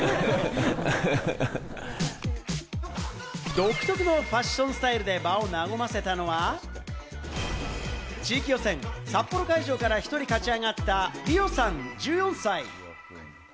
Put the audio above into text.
独特のファッションスタイルで場を和ませたのは、地域予選、札幌会場から１人勝ち上がったリオさん、１４歳。